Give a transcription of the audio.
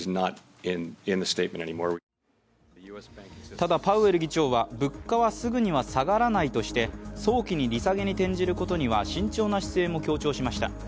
ただ、パウエル議長は物価はすぐには下がらないとして早期に利下げに転じることには慎重な姿勢も強調しました。